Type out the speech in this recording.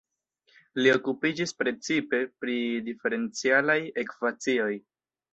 Li okupiĝis precipe pri diferencialaj ekvacioj.